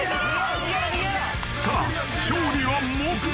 ［さあ勝利は目前］